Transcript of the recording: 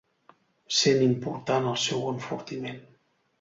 Sent important el seu enfortiment.